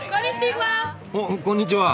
こんにちは。